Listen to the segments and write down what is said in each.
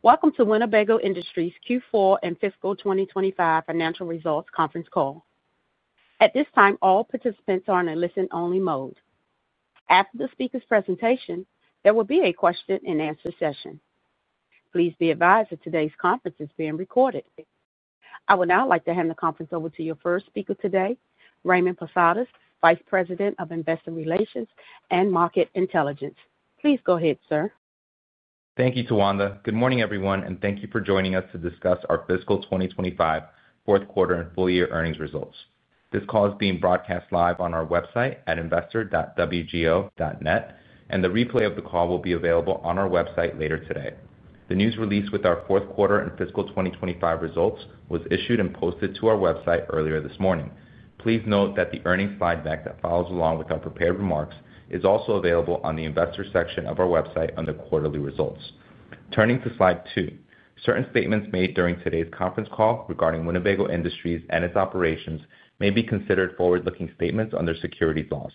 Welcome to Winnebago Industries Q4 and fiscal 2025 financial results conference call. At this time, all participants are in a listen-only mode. After the speaker's presentation, there will be a question-and-answer session. Please be advised that today's conference is being recorded. I would now like to hand the conference over to your first speaker today, Raymond Posadas, Vice President of Investor Relations and Market Intelligence. Please go ahead, sir. Thank you, Tawanda. Good morning, everyone, and thank you for joining us to discuss our fiscal 2025 fourth quarter and full-year earnings results. This call is being broadcast live on our website at investor.wgo.net, and the replay of the call will be available on our website later today. The news release with our fourth quarter and fiscal 2025 results was issued and posted to our website earlier this morning. Please note that the earnings slide deck that follows along with our prepared remarks is also available on the investors section of our website under quarterly results. Turning to slide two, certain statements made during today's conference call regarding Winnebago Industries and its operations may be considered forward-looking statements under securities laws.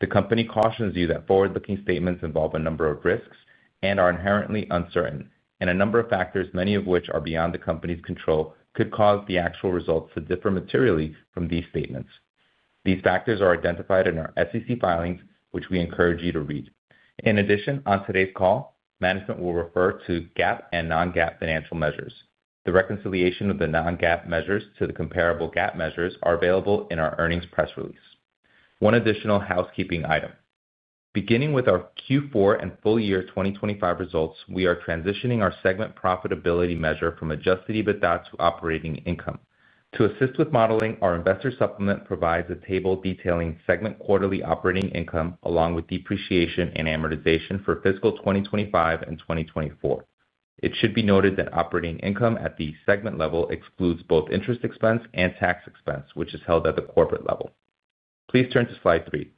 The company cautions you that forward-looking statements involve a number of risks and are inherently uncertain, and a number of factors, many of which are beyond the company's control, could cause the actual results to differ materially from these statements. These factors are identified in our SEC filings, which we encourage you to read. In addition, on today's call, management will refer to GAAP and non-GAAP financial measures. The reconciliation of the non-GAAP measures to the comparable GAAP measures is available in our earnings press release. One additional housekeeping item. Beginning with our Q4 and full-year 2025 results, we are transitioning our segment profitability measure from adjusted EBITDA to operating income. To assist with modeling, our investor supplement provides a table detailing segment quarterly operating income along with depreciation and amortization for fiscal 2025 and 2024. It should be noted that operating income at the segment level excludes both interest expense and tax expense, which is held at the corporate level. Please turn to slide three.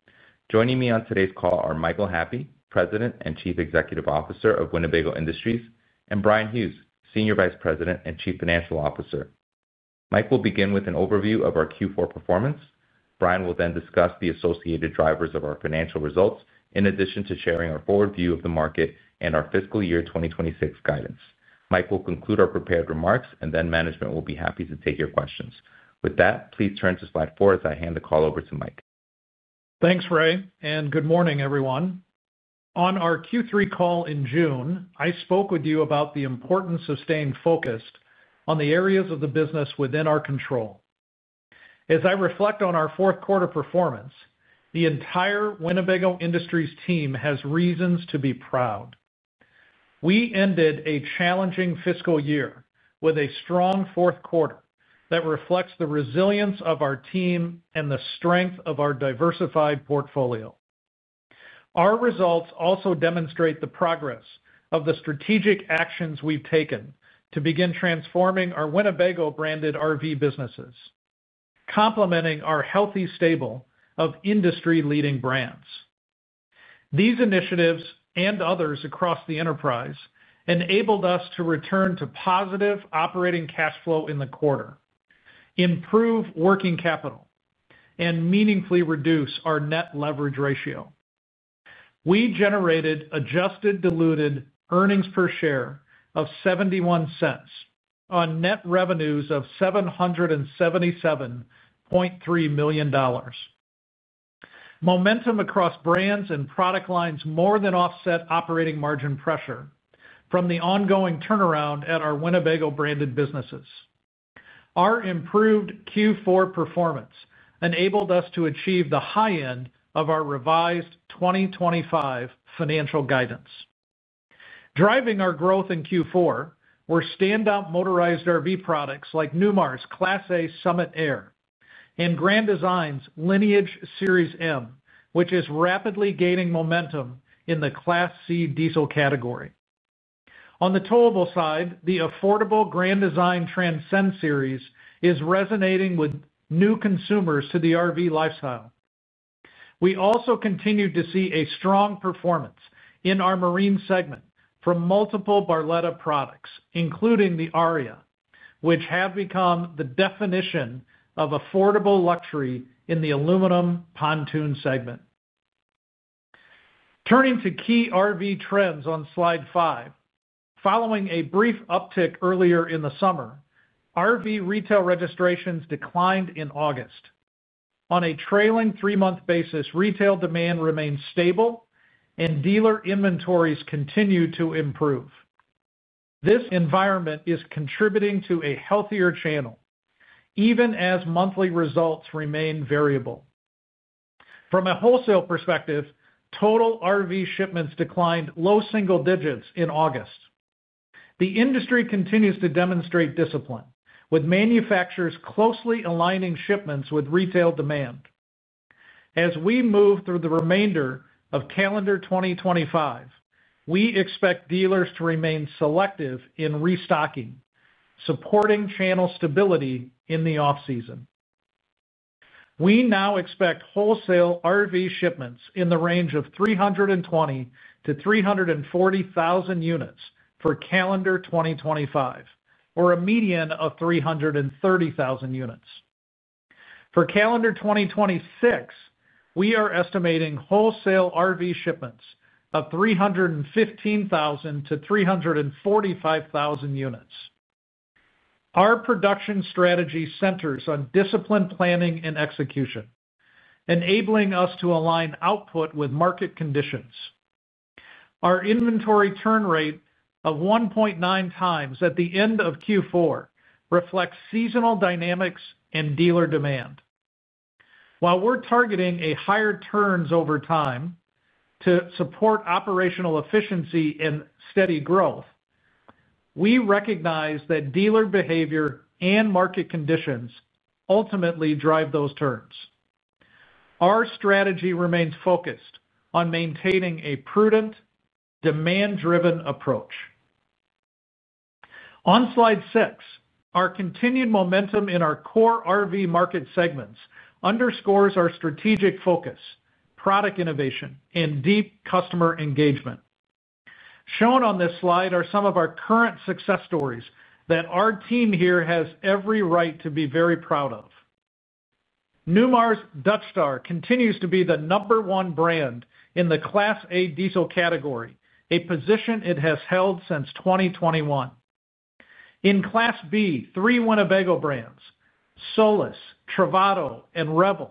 Joining me on today's call are Michael Happe, President and Chief Executive Officer of Winnebago Industries, and Bryan Hughes, Senior Vice President and Chief Financial Officer. Mike will begin with an overview of our Q4 performance. Bryan will then discuss the associated drivers of our financial results, in addition to sharing our forward view of the market and our fiscal year 2026 guidance. Mike will conclude our prepared remarks, and then management will be happy to take your questions. With that, please turn to slide four as I hand the call over to Mike. Thanks, Ray, and good morning, everyone. On our Q3 call in June, I spoke with you about the importance of staying focused on the areas of the business within our control. As I reflect on our fourth quarter performance, the entire Winnebago Industries team has reasons to be proud. We ended a challenging fiscal year with a strong fourth quarter that reflects the resilience of our team and the strength of our diversified portfolio. Our results also demonstrate the progress of the strategic actions we've taken to begin transforming our Winnebago-branded RV businesses, complementing our healthy stable of industry-leading brands. These initiatives and others across the enterprise enabled us to return to positive operating cash flow in the quarter, improve working capital, and meaningfully reduce our net leverage ratio. We generated adjusted diluted EPS of $0.71 on consolidated net revenues of $777.3 million. Momentum across brands and product lines more than offset operating margin pressure from the ongoing turnaround at our Winnebago-branded businesses. Our improved Q4 performance enabled us to achieve the high end of our revised 2025 financial guidance. Driving our growth in Q4 were standout motorized RV products like Newmar's Class A Supreme Aire and Grand Design's Lineage, which is rapidly gaining momentum in the Class C diesel category. On the towable side, the affordable Grand Design Transcend series is resonating with new consumers to the RV lifestyle. We also continued to see a strong performance in our marine segment from multiple Barletta products, including the Aria, which have become the definition of affordable luxury in the aluminum pontoon segment. Turning to key RV trends on slide five, following a brief uptick earlier in the summer, RV retail registrations declined in August. On a trailing three-month basis, retail demand remains stable and dealer inventories continue to improve. This environment is contributing to a healthier channel, even as monthly results remain variable. From a wholesale perspective, total RV shipments declined low single digits in August. The industry continues to demonstrate discipline, with manufacturers closely aligning shipments with retail demand. As we move through the remainder of calendar 2025, we expect dealers to remain selective in restocking, supporting channel stability in the offseason. We now expect wholesale RV shipments in the range of 320,000-340,000 units for calendar 2025, or a median of 330,000 units. For calendar 2026, we are estimating wholesale RV shipments of 315,000-345,000 units. Our production strategy centers on disciplined planning and execution, enabling us to align output with market conditions. Our inventory turn rate of 1.9 times at the end of Q4 reflects seasonal dynamics and dealer demand. While we're targeting higher turns over time to support operational efficiency and steady growth, we recognize that dealer behavior and market conditions ultimately drive those turns. Our strategy remains focused on maintaining a prudent, demand-driven approach. On slide six, our continued momentum in our core RV market segments underscores our strategic focus, product innovation, and deep customer engagement. Shown on this slide are some of our current success stories that our team here has every right to be very proud of. Newmar's Dutch Star continues to be the number one brand in the Class A diesel category, a position it has held since 2021. In Class B, three Winnebago brands, Solis, Travato, and Revel,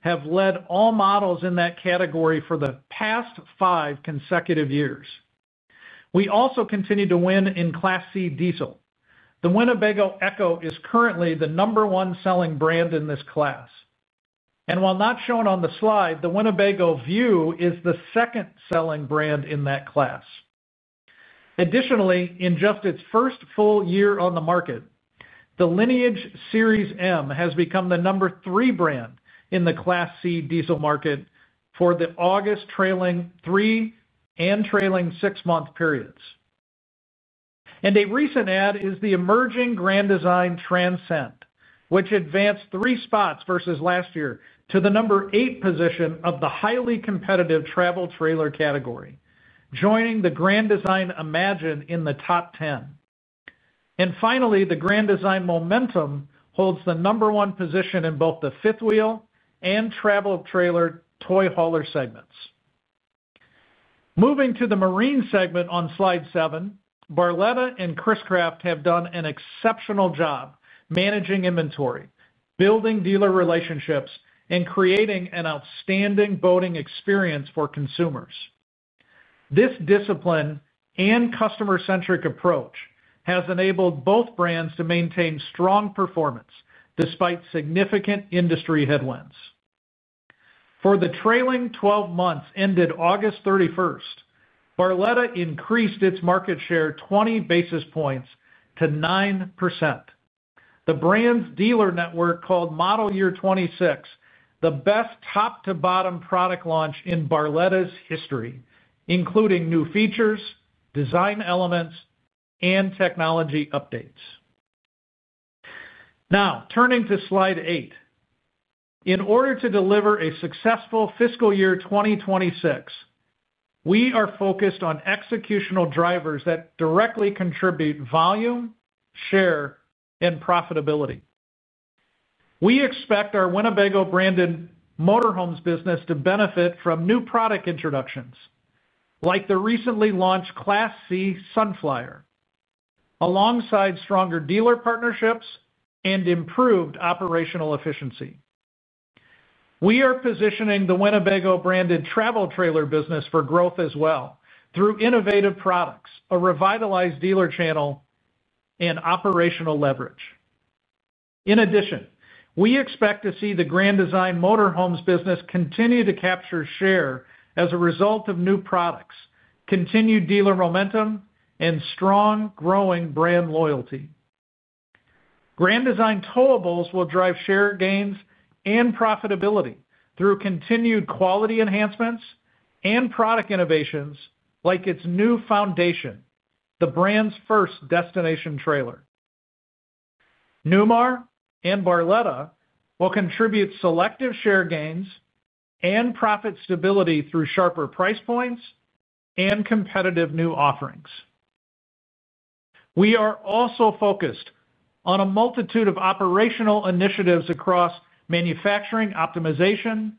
have led all models in that category for the past five consecutive years. We also continue to win in Class C diesel. The Winnebago Echo is currently the number one selling brand in this class. While not shown on the slide, the Winnebago View is the second selling brand in that class. Additionally, in just its first full year on the market, the Grand Design Lineage has become the number three brand in the Class C diesel market for the August trailing three and trailing six-month periods. A recent add is the emerging Grand Design Transcend, which advanced three spots versus last year to the number eight position of the highly competitive travel trailer category, joining the Grand Design Imagine in the top 10. Finally, the Grand Design Momentum holds the number one position in both the fifth wheel and travel trailer toy hauler segments. Moving to the marine segment on slide seven, Barletta and Chris-Craft have done an exceptional job managing inventory, building dealer relationships, and creating an outstanding boating experience for consumers. This discipline and customer-centric approach has enabled both brands to maintain strong performance despite significant industry headwinds. For the trailing 12 months ended August 31st, Barletta increased its market share 20 basis points to 9%. The brand's dealer network called model year 2026 the best top-to-bottom product launch in Barletta's history, including new features, design elements, and technology updates. Now, turning to slide eight, in order to deliver a successful fiscal year 2026, we are focused on executional drivers that directly contribute volume, share, and profitability. We expect our Winnebago-branded motorhomes business to benefit from new product introductions, like the recently launched Class C Sunflyer, alongside stronger dealer partnerships and improved operational efficiency. We are positioning the Winnebago-branded travel trailer business for growth as well through innovative products, a revitalized dealer channel, and operational leverage. In addition, we expect to see the Grand Design motorhomes business continue to capture share as a result of new products, continued dealer momentum, and strong growing brand loyalty. Grand Design towables will drive share gains and profitability through continued quality enhancements and product innovations, like its new foundation, the brand's first destination trailer. Newmar and Barletta will contribute selective share gains and profit stability through sharper price points and competitive new offerings. We are also focused on a multitude of operational initiatives across manufacturing optimization,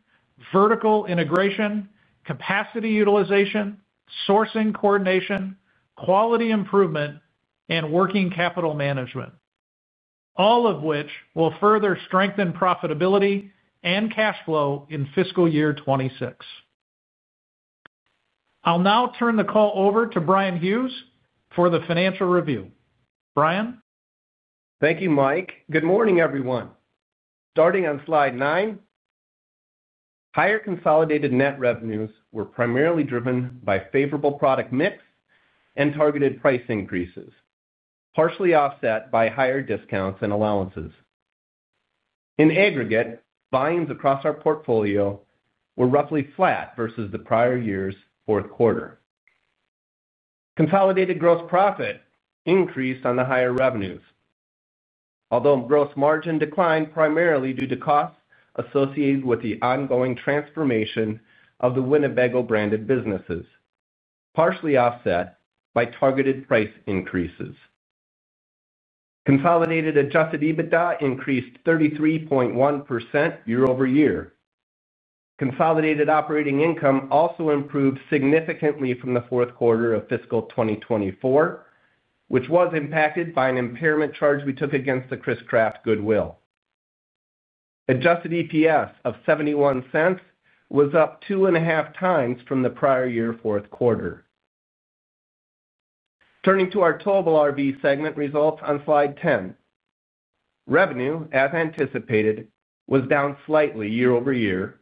vertical integration, capacity utilization, sourcing coordination, quality improvement, and working capital management, all of which will further strengthen profitability and cash flow in fiscal year 2026. I'll now turn the call over to Bryan Hughes for the financial review. Bryan? Thank you, Mike. Good morning, everyone. Starting on slide nine, higher consolidated net revenues were primarily driven by favorable product mix and targeted price increases, partially offset by higher discounts and allowances. In aggregate, buy-ins across our portfolio were roughly flat versus the prior year's fourth quarter. Consolidated gross profit increased on the higher revenues, although gross margin declined primarily due to costs associated with the ongoing transformation of the Winnebago-branded businesses, partially offset by targeted price increases. Consolidated adjusted EBITDA increased 33.1% year-over-year. Consolidated operating income also improved significantly from the fourth quarter of fiscal 2024, which was impacted by an impairment charge we took against the Chris-Craft goodwill. Adjusted EPS of $0.71 was up two and a half times from the prior year fourth quarter. Turning to our towable RV segment results on slide ten, revenue, as anticipated, was down slightly year-over-year,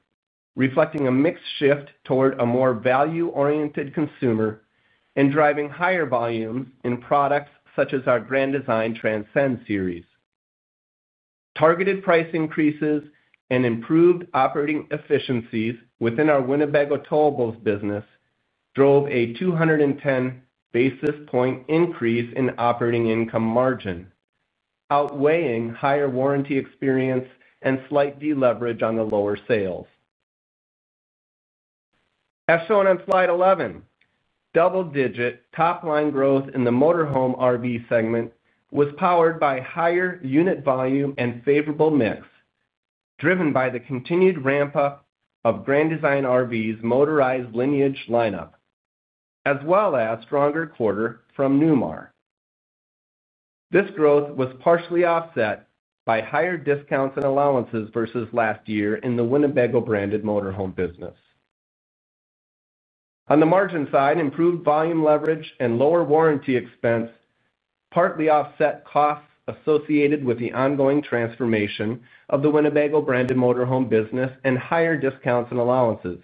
reflecting a mix shift toward a more value-oriented consumer and driving higher volumes in products such as our Grand Design Transcend series. Targeted price increases and improved operating efficiencies within our Winnebago towables business drove a 210 basis point increase in operating income margin, outweighing higher warranty experience and slight deleverage on the lower sales. As shown on slide 11, double-digit top-line growth in the motorhome RV segment was powered by higher unit volume and favorable mix, driven by the continued ramp-up of Grand Design RV's motorized Lineage lineup, as well as a stronger quarter from Newmar. This growth was partially offset by higher discounts and allowances versus last year in the Winnebago-branded motorhome business. On the margin side, improved volume leverage and lower warranty expense partly offset costs associated with the ongoing transformation of the Winnebago-branded motorhome business and higher discounts and allowances.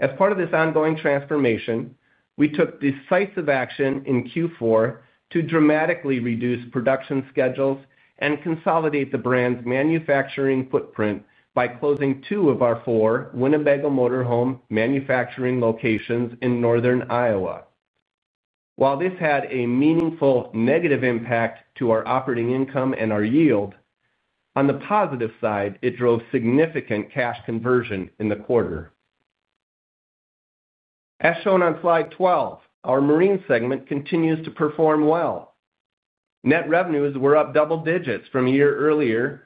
As part of this ongoing transformation, we took decisive action in Q4 to dramatically reduce production schedules and consolidate the brand's manufacturing footprint by closing two of our four Winnebago motorhome manufacturing locations in northern Iowa. While this had a meaningful negative impact to our operating income and our yield, on the positive side, it drove significant cash conversion in the quarter. As shown on slide 12, our marine segment continues to perform well. Net revenues were up double digits from a year earlier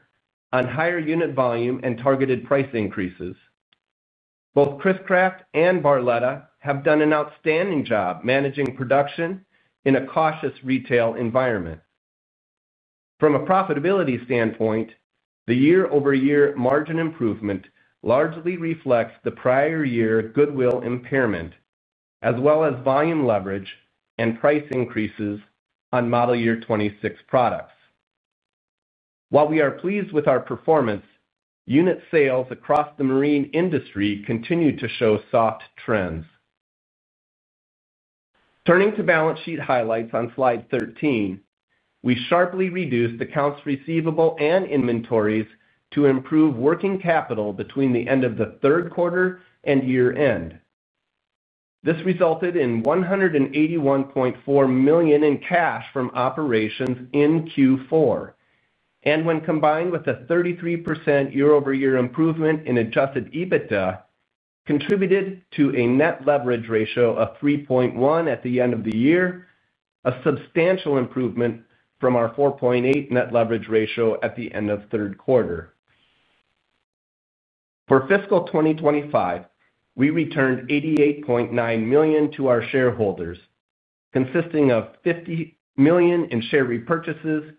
on higher unit volume and targeted price increases. Both Chris-Craft and Barletta have done an outstanding job managing production in a cautious retail environment. From a profitability standpoint, the year-over-year margin improvement largely reflects the prior year goodwill impairment, as well as volume leverage and price increases on model year 2026 products. While we are pleased with our performance, unit sales across the marine industry continue to show soft trends. Turning to balance sheet highlights on slide 13, we sharply reduced accounts receivable and inventories to improve working capital between the end of the third quarter and year-end. This resulted in $181.4 million in cash from operations in Q4, and when combined with a 33% year-over-year improvement in adjusted EBITDA, contributed to a net leverage ratio of 3.1 at the end of the year, a substantial improvement from our 4.8 net leverage ratio at the end of the third quarter. For fiscal 2025, we returned $88.9 million to our shareholders, consisting of $50 million in share repurchases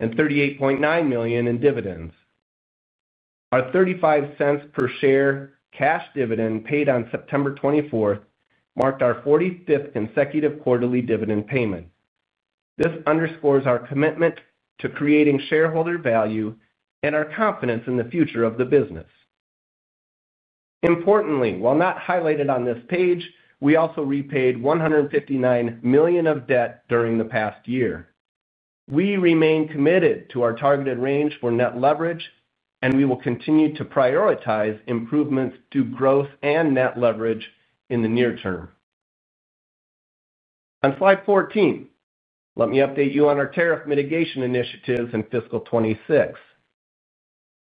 and $38.9 million in dividends. Our $0.35 per share cash dividend paid on September 24th marked our 45th consecutive quarterly dividend payment. This underscores our commitment to creating shareholder value and our confidence in the future of the business. Importantly, while not highlighted on this page, we also repaid $159 million of debt during the past year. We remain committed to our targeted range for net leverage, and we will continue to prioritize improvements to growth and net leverage in the near term. On slide 14, let me update you on our tariff mitigation initiatives in fiscal 2026.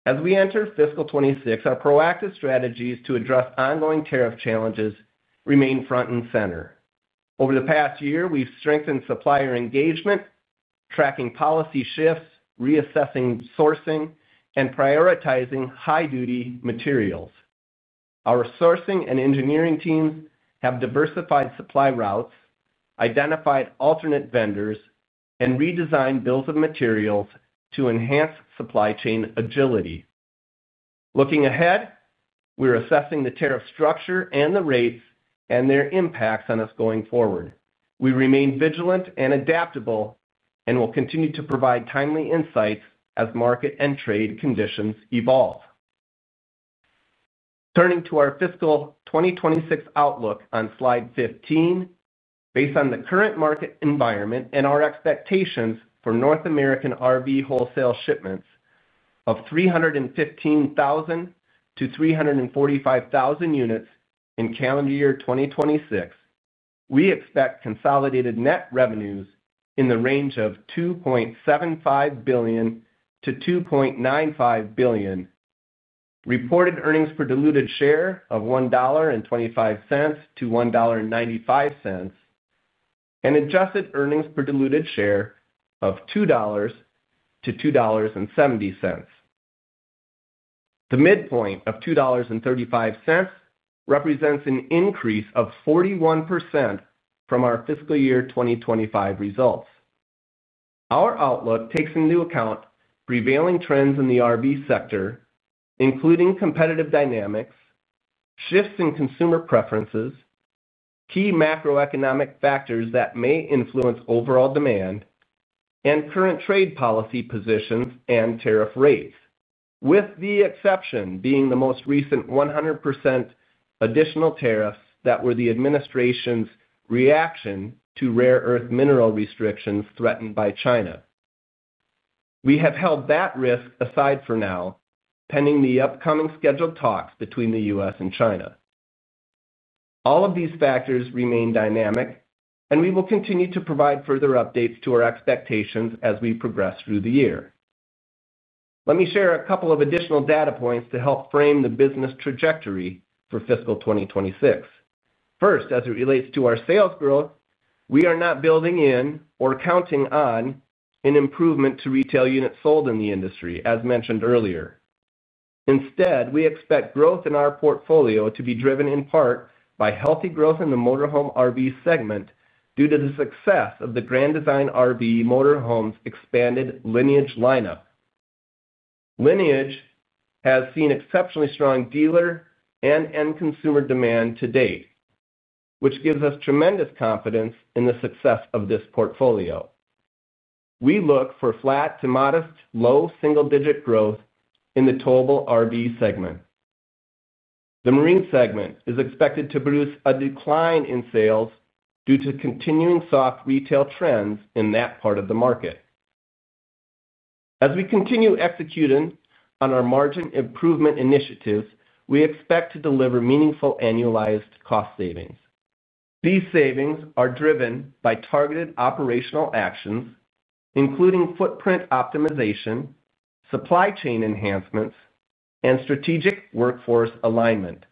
As we enter fiscal 2026, our proactive strategies to address ongoing tariff challenges remain front and center. Over the past year, we've strengthened supplier engagement, tracking policy shifts, reassessing sourcing, and prioritizing high-duty materials. Our sourcing and engineering teams have diversified supply routes, identified alternate vendors, and redesigned bills of materials to enhance supply chain agility. Looking ahead, we're assessing the tariff structure and the rates and their impacts on us going forward. We remain vigilant and adaptable and will continue to provide timely insights as market and trade conditions evolve. Turning to our fiscal 2026 outlook on slide 15, based on the current market environment and our expectations for North American RV wholesale shipments of 315,000 to 345,000 units in calendar year 2026, we expect consolidated net revenues in the range of $2.75 billion-$2.95 billion, reported earnings per diluted share of $1.25-$1.95, and adjusted earnings per diluted share of $2-$2.70. The midpoint of $2.35 represents an increase of 41% from our fiscal year 2025 results. Our outlook takes into account prevailing trends in the RV sector, including competitive dynamics, shifts in consumer preferences, key macroeconomic factors that may influence overall demand, and current trade policy positions and tariff rates, with the exception being the most recent 100% additional tariffs that were the administration's reaction to rare earth mineral restrictions threatened by China. We have held that risk aside for now, pending the upcoming scheduled talks between the U.S. and China. All of these factors remain dynamic, and we will continue to provide further updates to our expectations as we progress through the year. Let me share a couple of additional data points to help frame the business trajectory for fiscal 2026. First, as it relates to our sales growth, we are not building in or counting on an improvement to retail units sold in the industry, as mentioned earlier. Instead, we expect growth in our portfolio to be driven in part by healthy growth in the motorhome RV segment due to the success of the Grand Design motorhomes' expanded Lineage lineup. Lineage has seen exceptionally strong dealer and end-consumer demand to date, which gives us tremendous confidence in the success of this portfolio. We look for flat to modest low single-digit growth in the towable RV segment. The marine segment is expected to produce a decline in sales due to continuing soft retail trends in that part of the market. As we continue executing on our margin improvement initiatives, we expect to deliver meaningful annualized cost savings. These savings are driven by targeted operational actions, including footprint optimization, supply chain enhancements, and strategic workforce alignment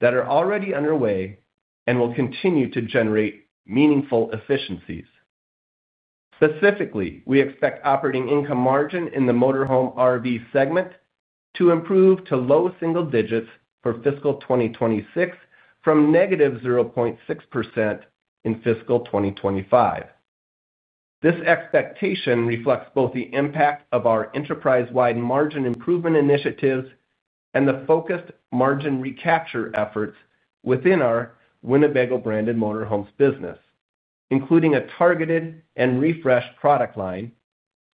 that are already underway and will continue to generate meaningful efficiencies. Specifically, we expect operating income margin in the motorhome RV segment to improve to low single digits for fiscal 2026 from negative 0.6% in fiscal 2025. This expectation reflects both the impact of our enterprise-wide margin improvement initiatives and the focused margin recapture efforts within our Winnebago-branded motorhomes business, including a targeted and refreshed product line,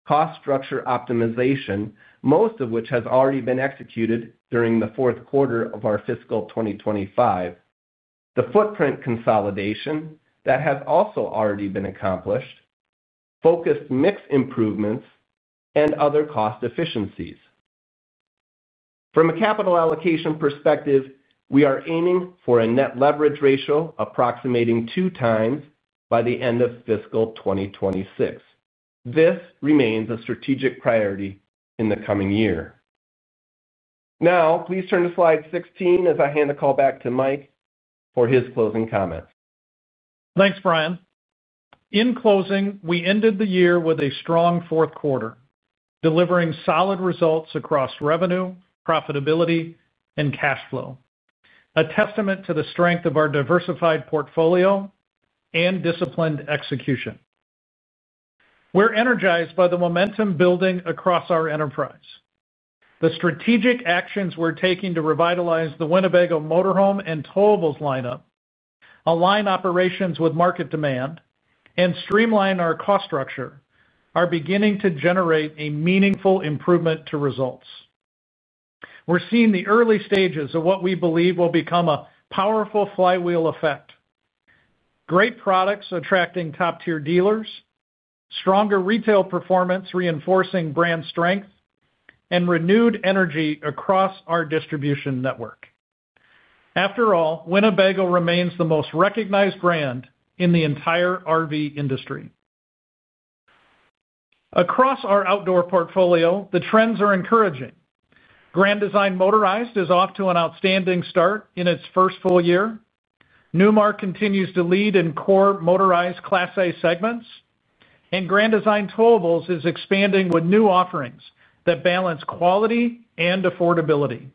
cost structure optimization, most of which has already been executed during the fourth quarter of our fiscal 2025, the footprint consolidation that has also already been accomplished, focused mix improvements, and other cost efficiencies. From a capital allocation perspective, we are aiming for a net leverage ratio approximating 2x by the end of fiscal 2026. This remains a strategic priority in the coming year. Now, please turn to slide 16 as I hand the call back to Mike for his closing comments. Thanks, Bryan. In closing, we ended the year with a strong fourth quarter, delivering solid results across revenue, profitability, and cash flow, a testament to the strength of our diversified portfolio and disciplined execution. We're energized by the momentum building across our enterprise. The strategic actions we're taking to revitalize the Winnebago motorhome and Towables lineup, align operations with market demand, and streamline our cost structure are beginning to generate a meaningful improvement to results. We're seeing the early stages of what we believe will become a powerful flywheel effect: great products attracting top-tier dealers, stronger retail performance reinforcing brand strength, and renewed energy across our distribution network. After all, Winnebago remains the most recognized brand in the entire RV industry. Across our outdoor portfolio, the trends are encouraging. Grand Design Motorized is off to an outstanding start in its first full year. Newmar continues to lead in core motorized Class A segments, and Grand Design Towables is expanding with new offerings that balance quality and affordability.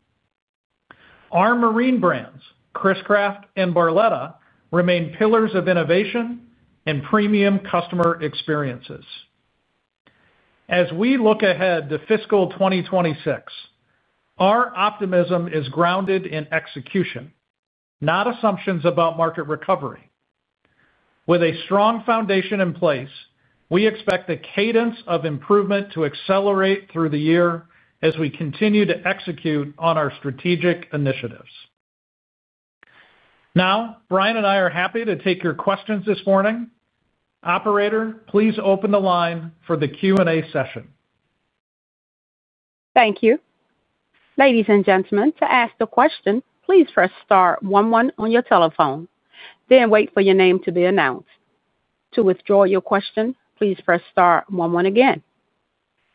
Our marine brands, Chris-Craft and Barletta, remain pillars of innovation and premium customer experiences. As we look ahead to fiscal 2026, our optimism is grounded in execution, not assumptions about market recovery. With a strong foundation in place, we expect the cadence of improvement to accelerate through the year as we continue to execute on our strategic initiatives. Now, Bryan and I are happy to take your questions this morning. Operator, please open the line for the Q&A session. Thank you. Ladies and gentlemen, to ask a question, please press star one-one on your telephone, then wait for your name to be announced. To withdraw your question, please press star one-one again.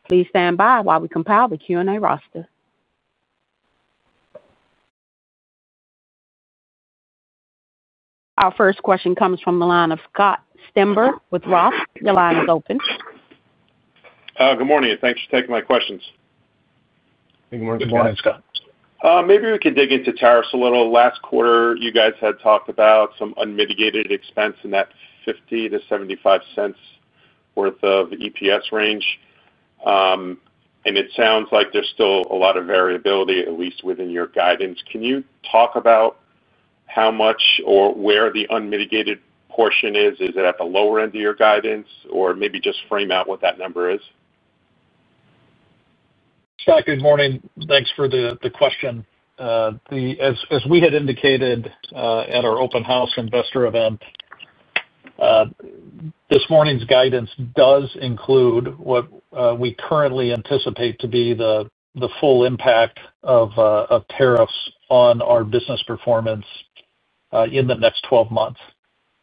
Please stand by while we compile the Q&A roster. Our first question comes from the line of Scott Stember with Roth. Your line is open. Good morning. Thanks for taking my questions. Good morning. Good morning, Scott. Maybe we could dig into tariffs a little. Last quarter, you guys had talked about some unmitigated expense in that $0.50-$0.75 worth of EPS range. It sounds like there's still a lot of variability, at least within your guidance. Can you talk about how much or where the unmitigated portion is? Is it at the lower end of your guidance? Maybe just frame out what that number is. Scott, good morning. Thanks for the question. As we had indicated at our open house investor event, this morning's guidance does include what we currently anticipate to be the full impact of tariffs on our business performance in the next 12 months.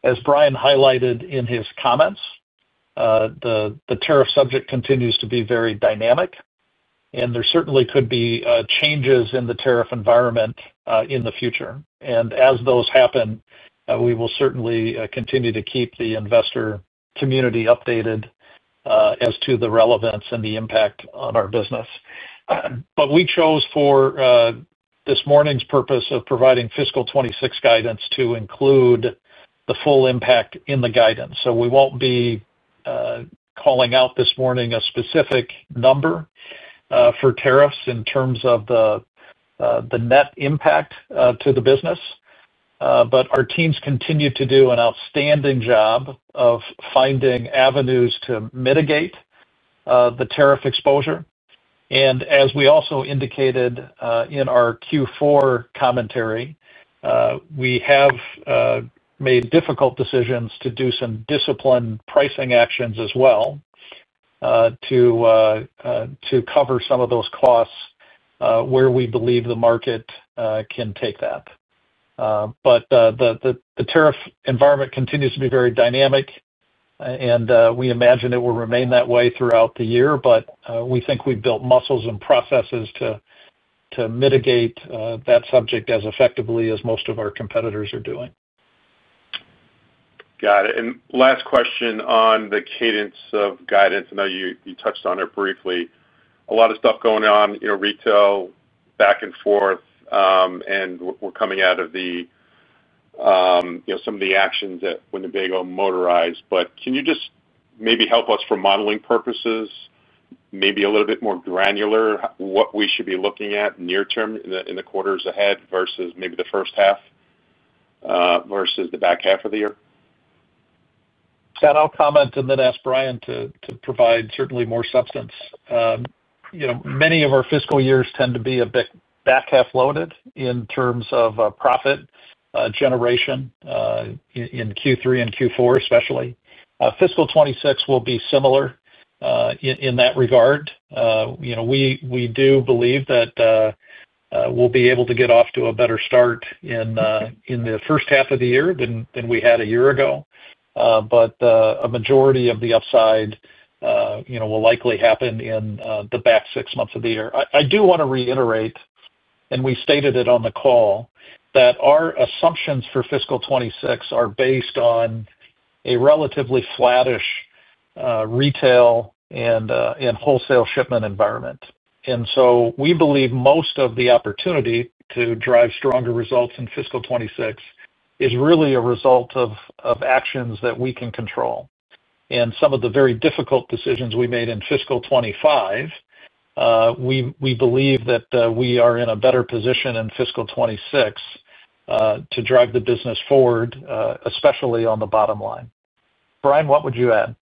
As Bryan highlighted in his comments, the tariff subject continues to be very dynamic, and there certainly could be changes in the tariff environment in the future. As those happen, we will certainly continue to keep the investor community updated as to the relevance and the impact on our business. We chose for this morning's purpose of providing fiscal 2026 guidance to include the full impact in the guidance. We won't be calling out this morning a specific number for tariffs in terms of the net impact to the business. Our teams continue to do an outstanding job of finding avenues to mitigate the tariff exposure. As we also indicated in our Q4 commentary, we have made difficult decisions to do some discipline pricing actions as well to cover some of those costs where we believe the market can take that. The tariff environment continues to be very dynamic, and we imagine it will remain that way throughout the year. We think we've built muscles and processes to mitigate that subject as effectively as most of our competitors are doing. Got it. Last question on the cadence of guidance. I know you touched on it briefly. A lot of stuff going on, you know, retail back and forth, and we're coming out of the, you know, some of the actions at Winnebago Industries Motorized. Can you just maybe help us for modeling purposes, maybe a little bit more granular what we should be looking at near term in the quarters ahead versus maybe the first half versus the back half of the year? Scott, I'll comment and then ask Bryan to provide certainly more substance. Many of our fiscal years tend to be a bit back half loaded in terms of profit generation in Q3 and Q4, especially. Fiscal 2026 will be similar in that regard. We do believe that we'll be able to get off to a better start in the first half of the year than we had a year ago. A majority of the upside will likely happen in the back six months of the year. I do want to reiterate, and we stated it on the call, that our assumptions for fiscal 2026 are based on a relatively flattish retail and wholesale shipment environment. And so we believe most of the opportunity to drive stronger results in fiscal 2026 is really a result of actions that we can control. Some of the very difficult decisions we made in fiscal 2025, we believe that we are in a better position in fiscal 2026 to drive the business forward, especially on the bottom line. Bryan, what would you add?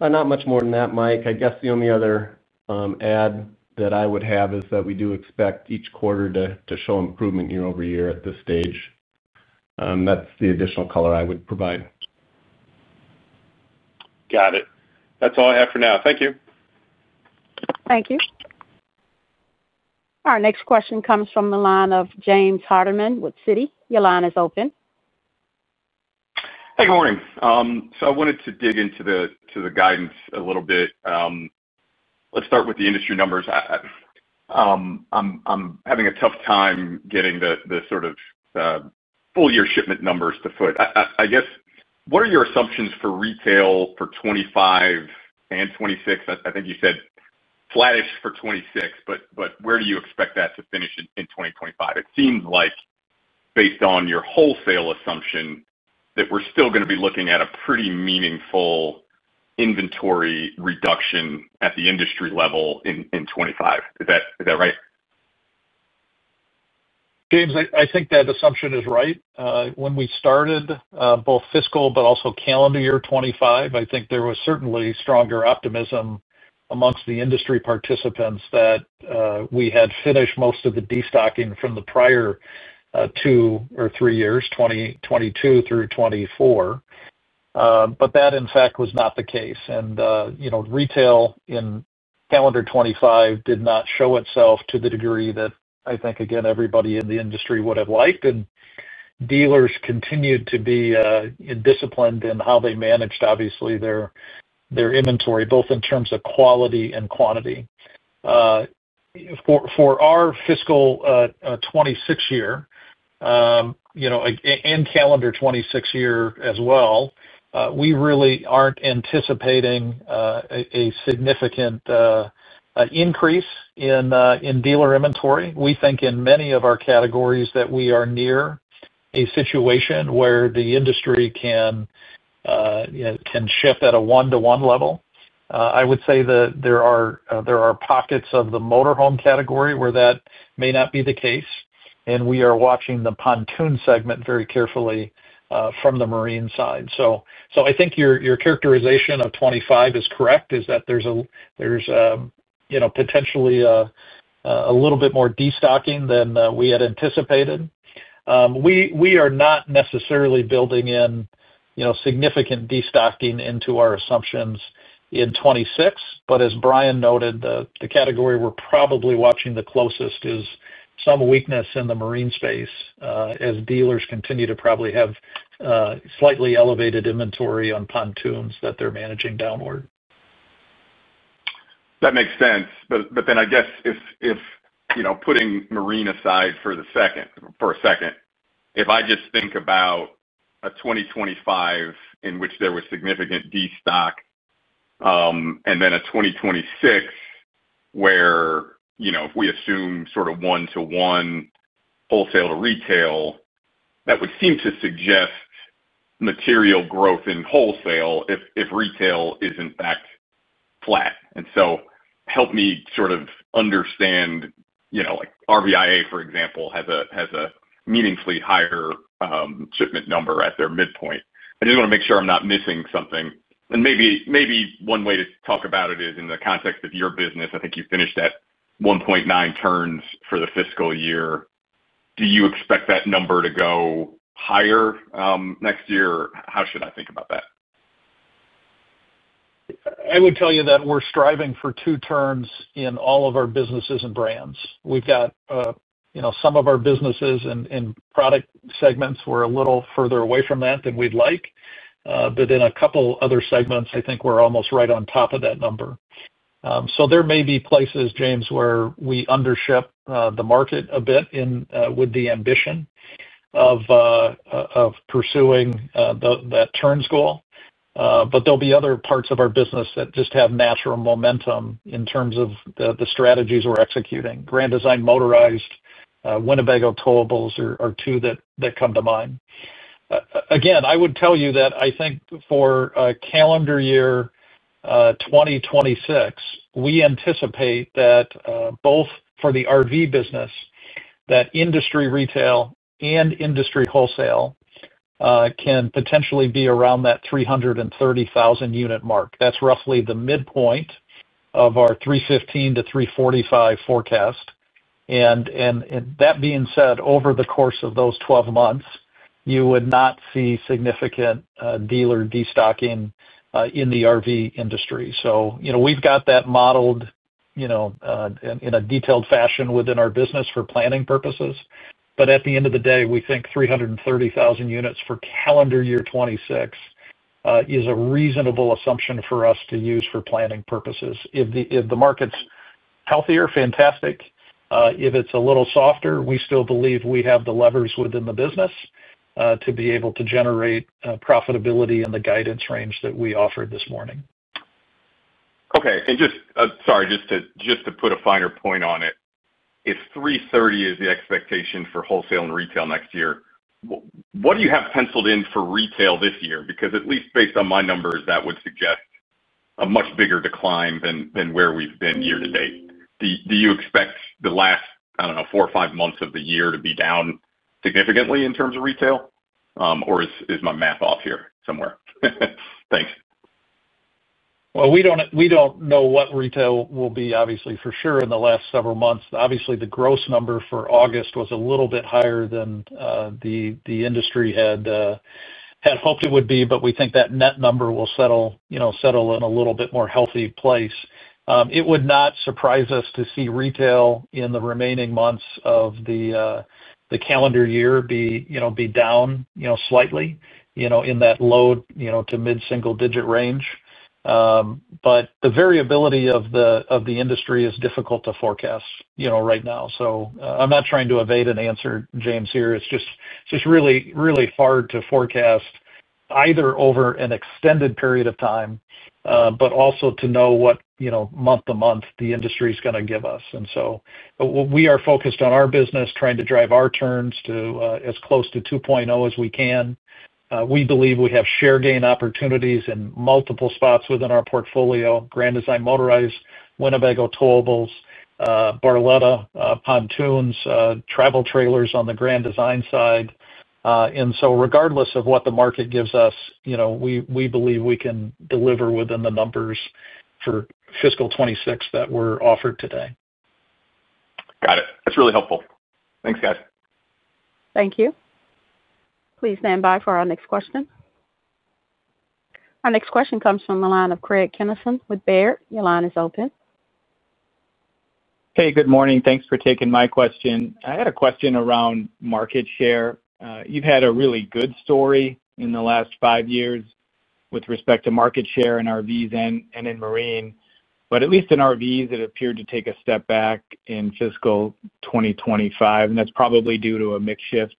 Not much more than that, Mike. I guess the only other add that I would have is that we do expect each quarter to show improvement year over year at this stage. That's the additional color I would provide. Got it. That's all I have for now. Thank you. Thank you. Our next question comes from the line of James Hardiman with Citi. Your line is open. Good morning. I wanted to dig into the guidance a little bit. Let's start with the industry numbers. I'm having a tough time getting the full-year shipment numbers to foot. I guess, what are your assumptions for retail for 2025 and 2026? I think you said flattish for 2026, but where do you expect that to finish in 2025? It seems like, based on your wholesale assumption, that we're still going to be looking at a pretty meaningful inventory reduction at the industry level in 2025. Is that right? James, I think that assumption is right. When we started both fiscal but also calendar year 2025, I think there was certainly stronger optimism amongst the industry participants that we had finished most of the destocking from the prior two or three years, 2022 through 2024. That, in fact, was not the case. You know, retail in calendar 2025 did not show itself to the degree that I think, again, everybody in the industry would have liked. Dealers continued to be disciplined in how they managed, obviously, their inventory, both in terms of quality and quantity. For our fiscal 2026 year and calendar 2026 year as well, we really aren't anticipating a significant increase in dealer inventory. We think in many of our categories that we are near a situation where the industry can shift at a one-to-one level. I would say that there are pockets of the motorhome category where that may not be the case. We are watching the pontoon segment very carefully from the marine side. I think your characterization of 2025 is correct, that there's potentially a little bit more destocking than we had anticipated. We are not necessarily building in significant destocking into our assumptions in 2026. As Bryan noted, the category we're probably watching the closest is some weakness in the marine space as dealers continue to probably have slightly elevated inventory on pontoons that they're managing downward. That makes sense. If you know, putting marine aside for a second, if I just think about a 2025 in which there was significant destock and then a 2026 where, if we assume sort of one-to-one wholesale to retail, that would seem to suggest material growth in wholesale if retail is, in fact, flat. Help me sort of understand, like RVIA, for example, has a meaningfully higher shipment number at their midpoint. I just want to make sure I'm not missing something. Maybe one way to talk about it is in the context of your business. I think you finished at 1.9 turns for the fiscal year. Do you expect that number to go higher next year? How should I think about that? I would tell you that we're striving for two turns in all of our businesses and brands. We've got some of our businesses and product segments where we're a little further away from that than we'd like, but in a couple other segments, I think we're almost right on top of that number. So there may be places, James, where we undership the market a bit with the ambition of pursuing that turns goal. There'll be other parts of our business that just have natural momentum in terms of the strategies we're executing. Grand Design Motorized and Winnebago Towables are two that come to mind. Again, I would tell you that I think for calendar year 2026, we anticipate that both for the RV business, that industry retail and industry wholesale can potentially be around that 330,000 unit mark. That's roughly the midpoint of our 315,000-345,000 forecast. That being said, over the course of those 12 months, you would not see significant dealer destocking in the RV industry. We've got that modeled in a detailed fashion within our business for planning purposes. At the end of the day, we think 330,000 units for calendar year 2026 is a reasonable assumption for us to use for planning purposes. If the market's healthier, fantastic. If it's a little softer, we still believe we have the levers within the business to be able to generate profitability in the guidance range that we offered this morning. Okay. Just to put a finer point on it, if 330 is the expectation for wholesale and retail next year, what do you have penciled in for retail this year? Because at least based on my numbers, that would suggest a much bigger decline than where we've been year to date. Do you expect the last four or five months of the year to be down significantly in terms of retail? Or is my math off here somewhere? Thanks. We do not know what retail will be, obviously, for sure. In the last several months, obviously, the gross number for August was a little bit higher than the industry had hoped it would be, but we think that net number will settle in a little bit more healthy place. It would not surprise us to see retail in the remaining months of the calendar year be down slightly in that low to mid-single-digit range. The variability of the industry is difficult to forecast right now. I am not trying to evade an answer, James, here. It is just really, really hard to forecast either over an extended period of time, but also to know what month-to-month the industry is going to give us. We are focused on our business, trying to drive our turns to as close to 2.0 as we can. We believe we have share gain opportunities in multiple spots within our portfolio: Grand Design Motorized, Winnebago Towables, Barletta, Pontoons, travel Trailers on the Grand Design side. Regardless of what the market gives us, you know we believe we can deliver within the numbers for fiscal 2026 that were offered today. Got it. That's really helpful. Thanks, guys. Thank you. Please stand by for our next question. Our next question comes from the line of Craig Kennison with Baird. Your line is open. Hey, good morning. Thanks for taking my question. I had a question around market share. You've had a really good story in the last five years with respect to market share in RVs and in marine. At least in RVs, it appeared to take a step back in fiscal 2025. That's probably due to a mix shift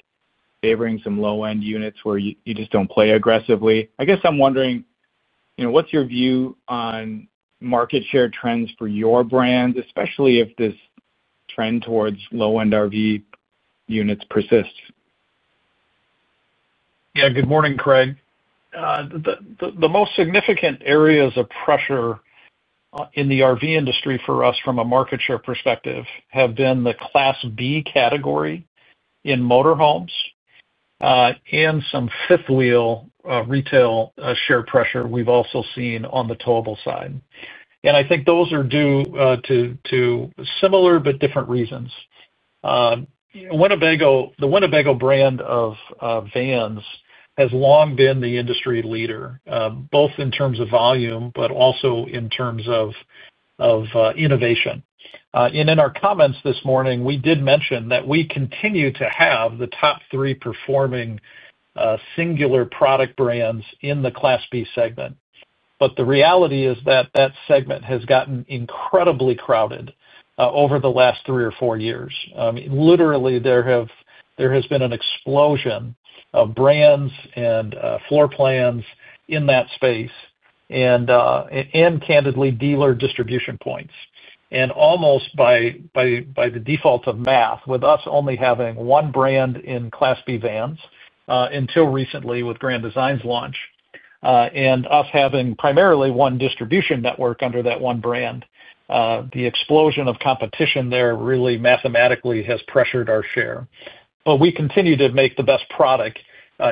favoring some low-end units where you just don't play aggressively. I guess I'm wondering, you know, what's your view on market share trends for your brands, especially if this trend towards low-end RV units persists? Yeah, good morning, Craig. The most significant areas of pressure in the RV industry for us from a market share perspective have been the Class B category in motorhomes and some fifth wheel retail share pressure we've also seen on the towable side. I think those are due to similar but different reasons. The Winnebago brand of vans has long been the industry leader, both in terms of volume, but also in terms of innovation. In our comments this morning, we did mention that we continue to have the top three performing singular product brands in the Class B segment. The reality is that that segment has gotten incredibly crowded over the last three or four years. I mean, literally, there has been an explosion of brands and floor plans in that space and, candidly, dealer distribution points. Almost by the default of math, with us only having one brand in Class B vans until recently with Grand Design's launch and us having primarily one distribution network under that one brand, the explosion of competition there really mathematically has pressured our share. We continue to make the best product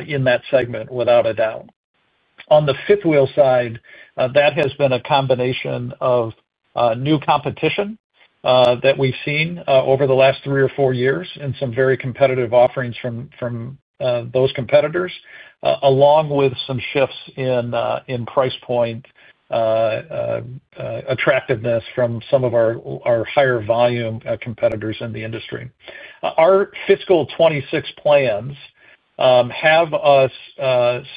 in that segment, without a doubt. On the fifth wheel side, that has been a combination of new competition that we've seen over the last three or four years and some very competitive offerings from those competitors, along with some shifts in price point attractiveness from some of our higher volume competitors in the industry. Our fiscal 2026 plans have us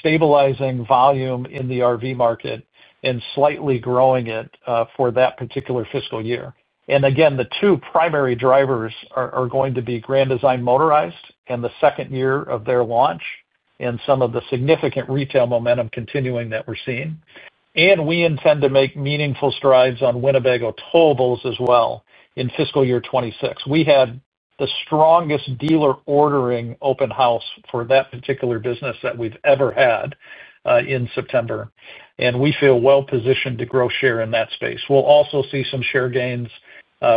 stabilizing volume in the RV market and slightly growing it for that particular fiscal year. Again, the two primary drivers are going to be Grand Design Motorized and the second year of their launch and some of the significant retail momentum continuing that we're seeing. We intend to make meaningful strides on Winnebago Towables as well in fiscal year 2026. We had the strongest dealer ordering open house for that particular business that we've ever had in September. We feel well positioned to grow share in that space. We'll also see some share gains,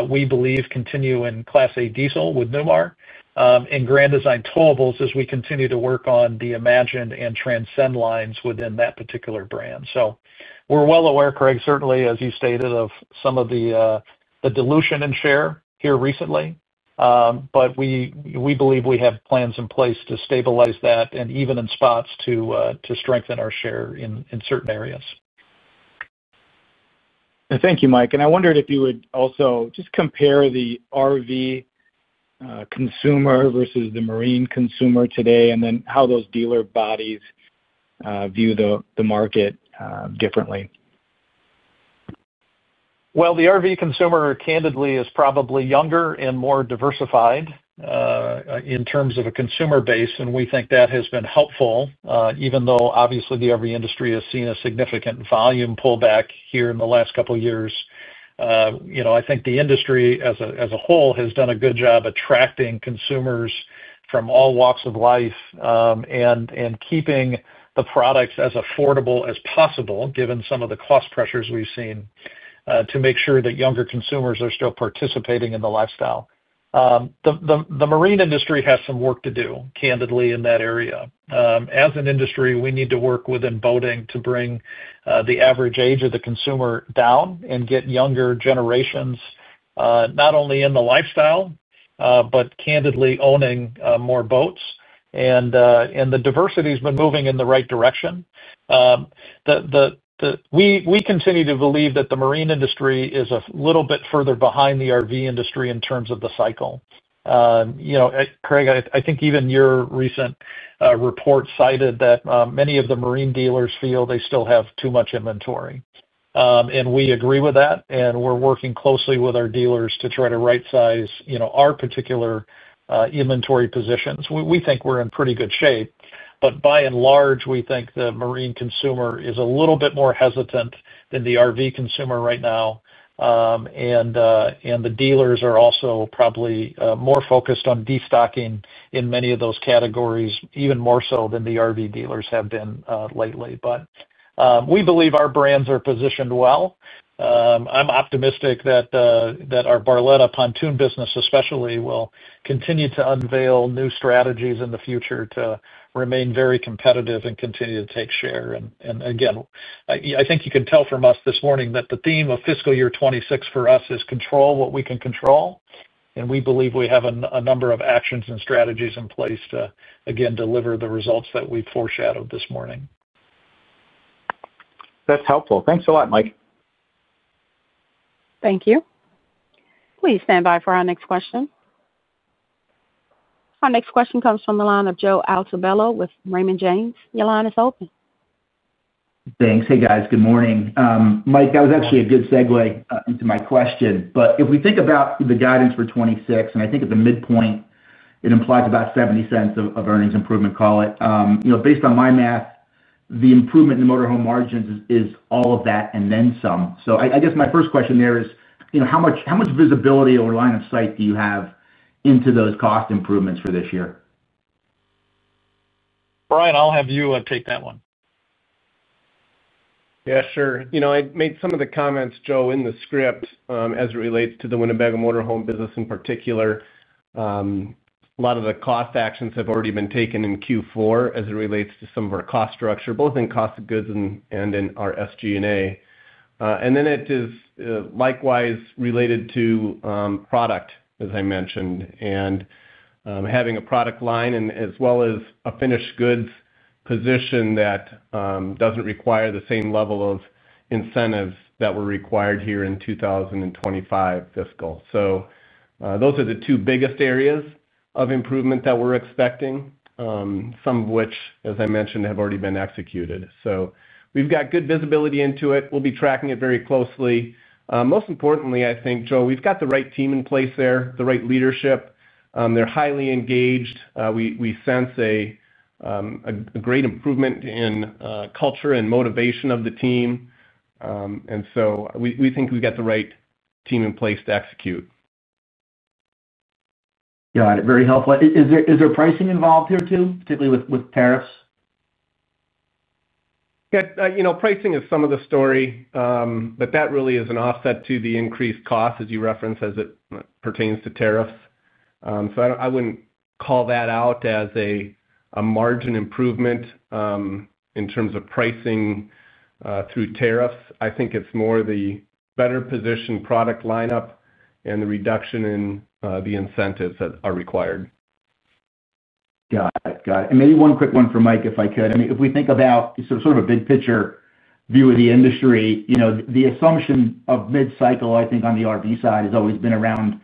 we believe, continue in Class A Diesel with Newmar and Grand Design Towables as we continue to work on the Imagine and Transcend lines within that particular brand. We're well aware, Craig, certainly, as you stated, of some of the dilution in share here recently. We believe we have plans in place to stabilize that and even in spots to strengthen our share in certain areas. Thank you, Mike. I wondered if you would also just compare the RV consumer versus the marine consumer today, and then how those dealer bodies view the market differently. Well the RV consumer, candidly, is probably younger and more diversified in terms of a consumer base. We think that has been helpful, even though, obviously, the RV industry has seen a significant volume pullback here in the last couple of years. I think the industry as a whole has done a good job attracting consumers from all walks of life and keeping the products as affordable as possible, given some of the cost pressures we've seen, to make sure that younger consumers are still participating in the lifestyle. The marine industry has some work to do, candidly, in that area. As an industry, we need to work within boating to bring the average age of the consumer down and get younger generations not only in the lifestyle, but candidly owning more boats. The diversity has been moving in the right direction. We continue to believe that the marine industry is a little bit further behind the RV industry in terms of the cycle. You know, Craig, I think even your recent report cited that many of the marine dealers feel they still have too much inventory. We agree with that. We're working closely with our dealers to try to right-size our particular inventory positions. We think we're in pretty good shape. By and large, we think the marine consumer is a little bit more hesitant than the RV consumer right now. The dealers are also probably more focused on destocking in many of those categories, even more so than the RV dealers have been lately. But we believe our brands are positioned well. I'm optimistic that our Barletta pontoon business, especially, will continue to unveil new strategies in the future to remain very competitive and continue to take share. I think you can tell from us this morning that the theme of fiscal year 2026 for us is control what we can control. We believe we have a number of actions and strategies in place to, again, deliver the results that we foreshadowed this morning. That's helpful. Thanks a lot, Mike. Thank you. Please stand by for our next question. Our next question comes from the line of Joseph Altobello with Raymond James. Your line is open. Thanks. Hey, guys. Good morning. Mike, that was actually a good segue into my question. If we think about the guidance for 2026, and I think at the midpoint, it implies about $0.70 of earnings improvement, call it. You know, based on my math, the improvement in the motorhome margins is all of that and then some. I guess my first question there is, you know, how much visibility or line of sight do you have into those cost improvements for this year? Bryan, I'll have you take that one. Yeah, sure. I made some of the comments, Joe, in the script as it relates to the Winnebago Industries motorhome business in particular. A lot of the cost actions have already been taken in Q4 as it relates to some of our cost structure, both in cost of goods and in our SG&A. It is likewise related to product, as I mentioned, and having a product line as well as a finished goods position that doesn't require the same level of incentives that were required here in 2025 fiscal. Those are the two biggest areas of improvement that we're expecting, some of which, as I mentioned, have already been executed. We've got good visibility into it. We'll be tracking it very closely. Most importantly, I think, Joe, we've got the right team in place there, the right leadership. They're highly engaged. We sense a great improvement in culture and motivation of the team. We think we've got the right team in place to execute. Got it. Very helpful. Is there pricing involved here too, particularly with tariffs? Yeah, you know, pricing is some of the story, but that really is an offset to the increased cost, as you referenced, as it pertains to tariffs. I wouldn't call that out as a margin improvement in terms of pricing through tariffs. I think it's more the better positioned product lineup and the reduction in the incentives that are required. Got it. Maybe one quick one for Mike, if I could. I mean, if we think about sort of a big-picture view of the industry, the assumption of mid-cycle, I think, on the RV side has always been around,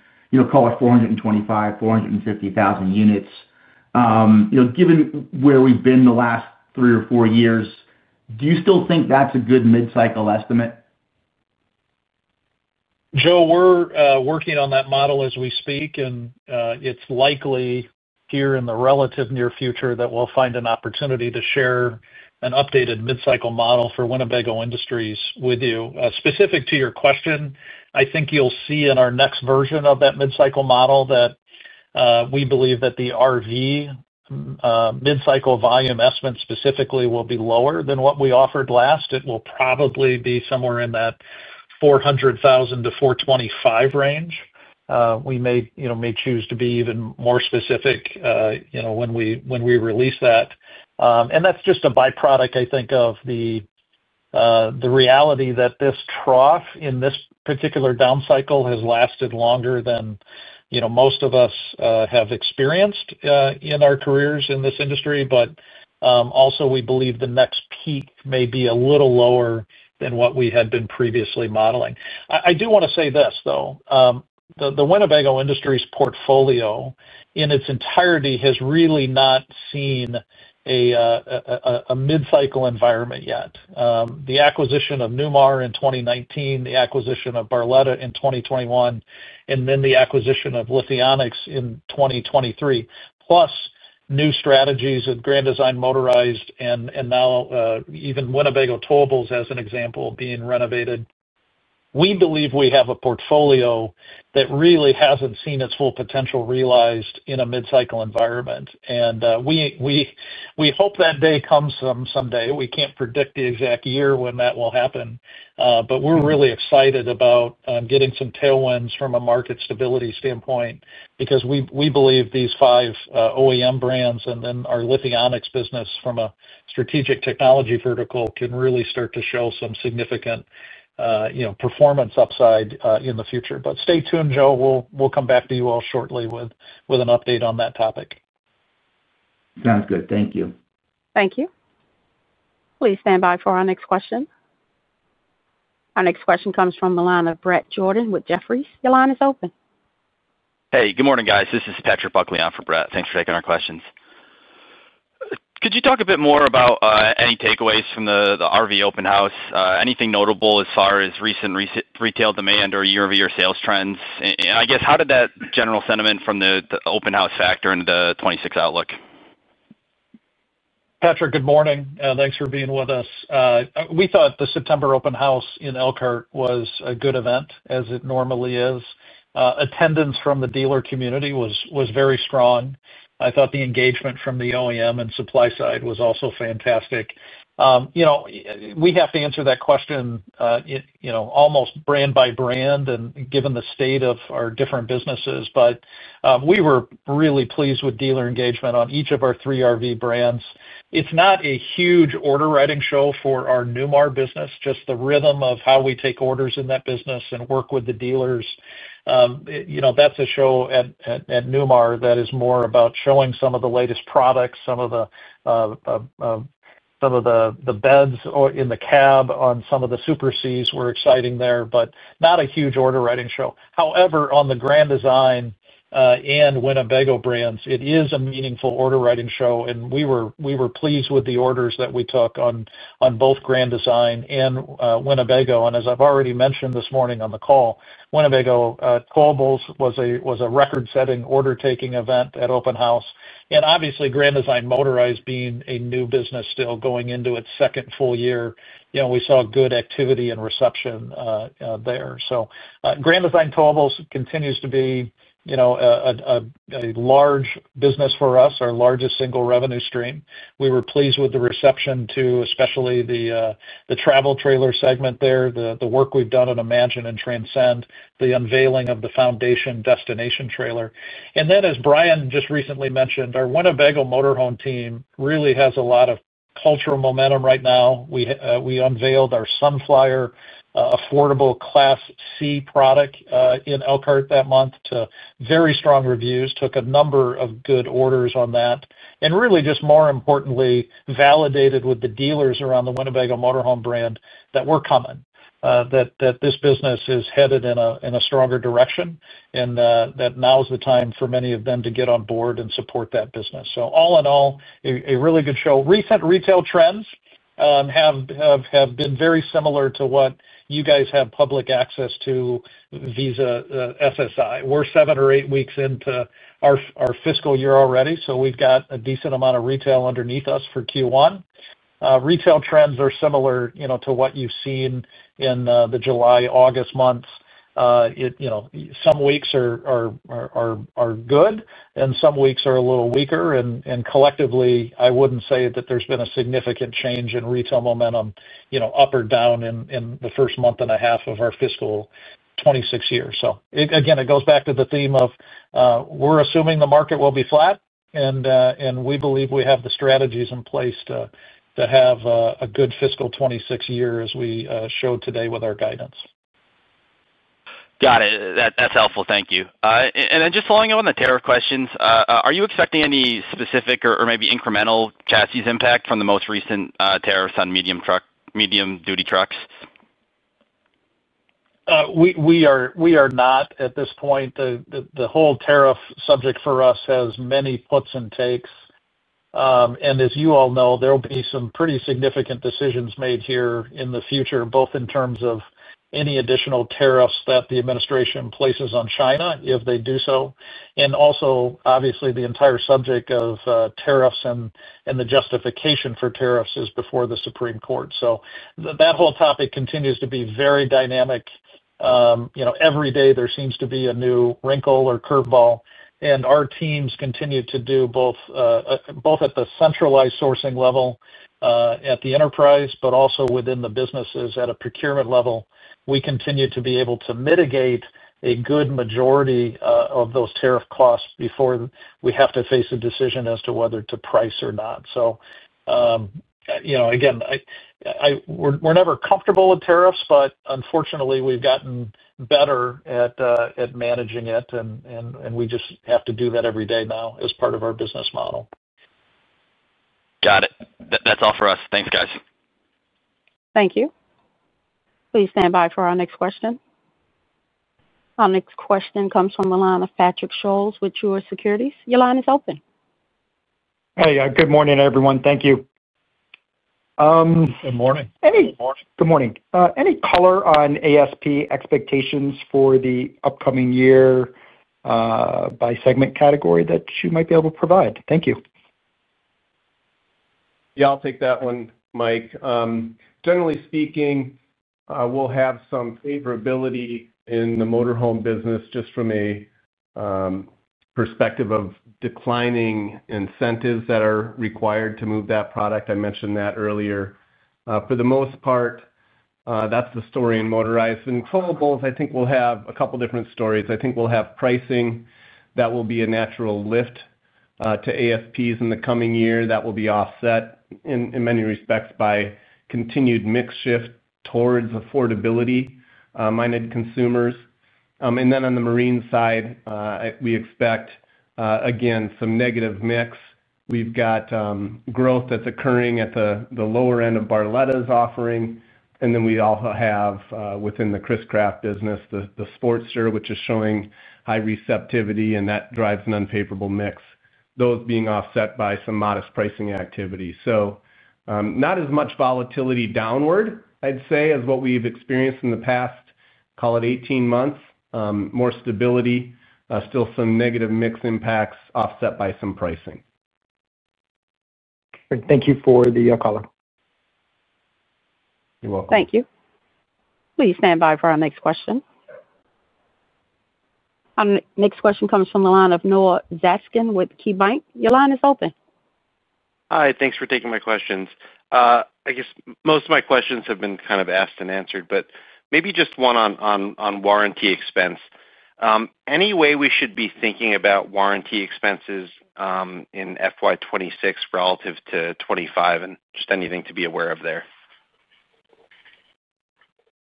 call it 425,000, 450,000 units. Given where we've been the last three or four years, do you still think that's a good mid-cycle estimate? Joe, we're working on that model as we speak. It's likely here in the relative near future that we'll find an opportunity to share an updated mid-cycle model for Winnebago Industries with you. Specific to your question, I think you'll see in our next version of that mid-cycle model that we believe the RV mid-cycle volume estimate specifically will be lower than what we offered last. It will probably be somewhere in that 400,000-425,000 range. We may choose to be even more specific when we release that. That's just a byproduct, I think, of the reality that this trough in this particular downcycle has lasted longer than most of us have experienced in our careers in this industry. We also believe the next peak may be a little lower than what we had been previously modeling. I do want to say this, though. The Winnebago Industries portfolio in its entirety has really not seen a mid-cycle environment yet. The acquisition of Newmar in 2019, the acquisition of Barletta in 2021, and then the acquisition of Lithionics in 2023, plus new strategies at Grand Design Motorized and now even Winnebago Towables as an example being renovated. We believe we have a portfolio that really hasn't seen its full potential realized in a mid-cycle environment. We hope that day comes someday. We can't predict the exact year when that will happen. We're really excited about getting some tailwinds from a market stability standpoint because we believe these five OEM brands and then our Lithionics business from a strategic technology vertical can really start to show some significant performance upside in the future. Stay tuned, Joe. We'll come back to you all shortly with an update on that topic. Sounds good. Thank you. Thank you. Please stand by for our next question. Our next question comes from the line of Brett Jordan with Jefferies. Your line is open. Hey, good morning, guys. This is Patrick Buckley on for Brett. Thanks for taking our questions. Could you talk a bit more about any takeaways from the RV Open House? Anything notable as far as recent retail demand or year-over-year sales trends? I guess, how did that general sentiment from the Open House factor into the 2026 outlook? Patrick, good morning. Thanks for being with us. We thought the September open house in Elkhart was a good event, as it normally is. Attendance from the dealer community was very strong. I thought the engagement from the OEM and supply side was also fantastic. We have to answer that question almost brand by brand and given the state of our different businesses. We were really pleased with dealer engagement on each of our three RV brands. It's not a huge order writing show for our Newmar business, just the rhythm of how we take orders in that business and work with the dealers. That's a show at Newmar that is more about showing some of the latest products, some of the beds in the cab on some of the Super Cs. We're excited there, but not a huge order writing show. However, on the Grand Design and Winnebago brands, it is a meaningful order writing show. We were pleased with the orders that we took on both Grand Design and Winnebago. As I've already mentioned this morning on the call, Winnebago Towables was a record-setting order-taking event at open house. Obviously, Grand Design Motorized, being a new business still going into its second full year, we saw good activity and reception there. Grand Design Towables continues to be a large business for us, our largest single revenue stream. We were pleased with the reception too, especially the travel trailer segment there, the work we've done on Imagine and Transcend, the unveiling of the Foundation Destination trailer. As Bryan just recently mentioned, our Winnebago motorhome team really has a lot of cultural momentum right now. We unveiled our Sunflyer affordable Class C product in Elkhart that month to very strong reviews, took a number of good orders on that, and really just more importantly, validated with the dealers around the Winnebago motorhome brand that we're coming, that this business is headed in a stronger direction, and that now is the time for many of them to get on board and support that business. All in all, a really good show. Recent retail trends have been very similar to what you guys have public access to vis-a-SSI. We're seven or eight weeks into our fiscal year already, so we've got a decent amount of retail underneath us for Q1. Retail trends are similar to what you've seen in the July, August months. Some weeks are good, and some weeks are a little weaker. Collectively, I wouldn't say that there's been a significant change in retail momentum, up or down in the first month and a half of our fiscal 2026 year. So it goes back to the theme of we're assuming the market will be flat, and we believe we have the strategies in place to have a good fiscal 2026 year as we showed today with our guidance. Got it. That's helpful. Thank you. Just following up on the tariff questions, are you expecting any specific or maybe incremental chassis impact from the most recent tariffs on medium-duty trucks? We are not at this point. The whole tariff subject for us has many puts and takes. As you all know, there will be some pretty significant decisions made here in the future, both in terms of any additional tariffs that the administration places on China if they do so. Also, obviously, the entire subject of tariffs and the justification for tariffs is before the Supreme Court. That whole topic continues to be very dynamic. Every day there seems to be a new wrinkle or curveball. Our teams continue to do both at the centralized sourcing level at the enterprise, but also within the businesses at a procurement level. We continue to be able to mitigate a good majority of those tariff costs before we have to face a decision as to whether to price or not. So again, we're never comfortable with tariffs, but unfortunately, we've gotten better at managing it, and we just have to do that every day now as part of our business model. Got it. That's all for us. Thanks, guys. Thank you. Please stand by for our next question. Our next question comes from the line of Patrick Scholes with Chua Securities. Your line is open. Hey, good morning, everyone. Thank you. Good morning. Hey. Good morning. Good morning. Any color on ASP expectations for the upcoming year by segment category that you might be able to provide? Thank you. Yeah, I'll take that one, Mike. Generally speaking, we'll have some favorability in the motorhome business just from a perspective of declining incentives that are required to move that product. I mentioned that earlier. For the most part, that's the story in Motorized. In Towables, I think we'll have a couple of different stories. I think we'll have pricing that will be a natural lift to ASPs in the coming year that will be offset in many respects by continued mix shift towards affordability-minded consumers. On the marine side, we expect, again, some negative mix. We've got growth that's occurring at the lower end of Barletta's offering. We also have, within the Chris-Craft business, the Sportster, which is showing high receptivity, and that drives an unfavorable mix, those being offset by some modest pricing activity. So not as much volatility downward, I'd say, as what we've experienced in the past, call it 18 months, more stability, still some negative mix impacts offset by some pricing. Great. Thank you for the color. You're welcome. Thank you. Please stand by for our next question. Our next question comes from the line of Noah Zaskin with KeyBanc. Your line is open. Hi. Thanks for taking my questions. I guess most of my questions have been kind of asked and answered, but maybe just one on warranty expense. Any way we should be thinking about warranty expenses in FY2026 relative to 2025 and just anything to be aware of there?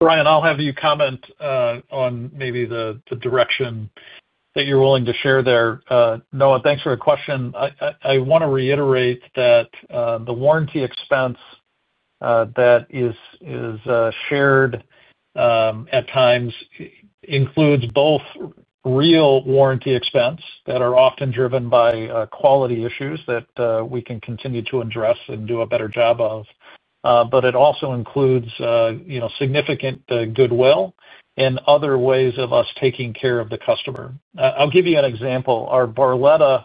Bryan, I'll have you comment on maybe the direction that you're willing to share there. Noah, thanks for the question. I want to reiterate that the warranty expense that is shared at times includes both real warranty expense that are often driven by quality issues that we can continue to address and do a better job of, but it also includes significant goodwill and other ways of us taking care of the customer. I'll give you an example. Our Barletta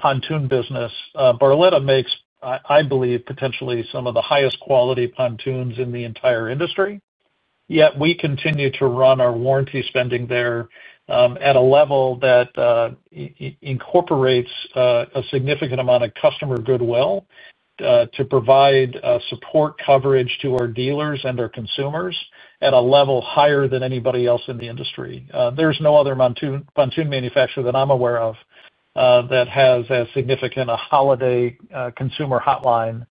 pontoon business, Barletta makes, I believe, potentially some of the highest quality pontoons in the entire industry. Yet we continue to run our warranty spending there at a level that incorporates a significant amount of customer goodwill to provide support coverage to our dealers and our consumers at a level higher than anybody else in the industry. There's no other pontoon manufacturer that I'm aware of that has a significant holiday consumer hotline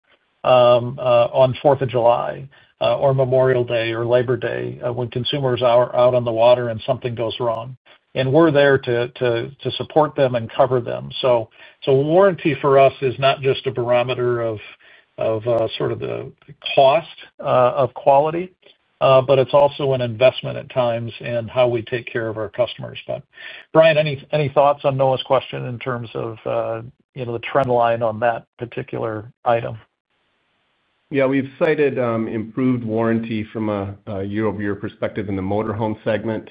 on 4th of July or Memorial Day or Labor Day when consumers are out on the water and something goes wrong. We're there to support them and cover them. Warranty for us is not just a barometer of sort of the cost of quality, but it's also an investment at times in how we take care of our customers. Bryan, any thoughts on Noah's question in terms of the trend line on that particular item? Yeah, we've cited improved warranty from a year-over-year perspective in the motorhome segment,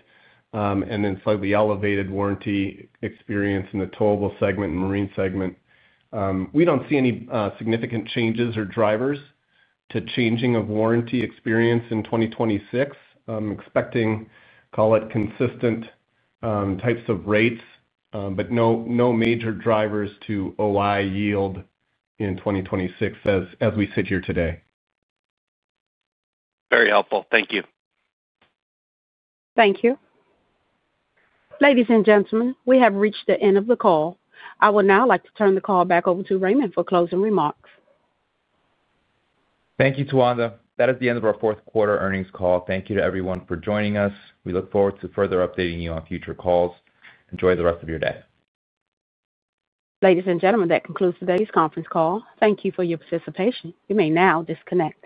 and then slightly elevated warranty experience in the towable segment and marine segment. We don't see any significant changes or drivers to changing of warranty experience in 2026. I'm expecting, call it, consistent types of rates, but no major drivers to OI yield in 2026 as we sit here today. Very helpful. Thank you. Thank you. Ladies and gentlemen, we have reached the end of the call. I would now like to turn the call back over to Raymond Posadas for closing remarks. Thank you, Tawanda. That is the end of our fourth quarter earnings call. Thank you to everyone for joining us. We look forward to further updating you on future calls. Enjoy the rest of your day. Ladies and gentlemen, that concludes today's conference call. Thank you for your participation. You may now disconnect.